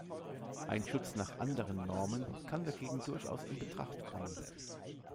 Ein Schutz nach anderen Normen kann dagegen durchaus in Betracht kommen.